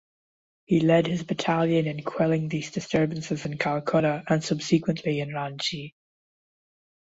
He led his battalion in quelling these disturbances in Calcutta and subsequently in Ranchi.